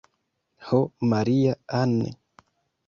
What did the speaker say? Ho Maria-Ann!